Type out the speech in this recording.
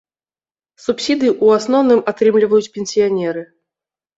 Субсідыі ў асноўным атрымліваюць пенсіянеры.